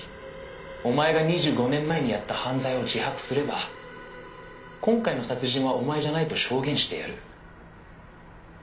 「お前が２５年前にやった犯罪を自白すれば今回の殺人はお前じゃないと証言してやる」